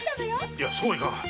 いやそうはいかん。